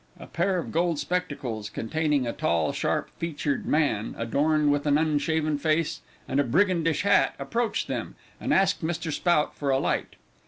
A pair of gold spectacles containing a tall, sharp featured man, adorned with an unshaven face and a brigandish hat, approached them, and asked Mr. Spout for a light.